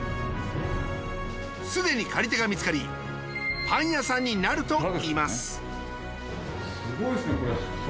すでに借り手が見つかりパン屋さんになるといいますすごいっすねこれ。